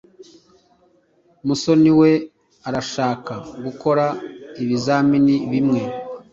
Musoni we urashaka gukora ibizamini bimwe?.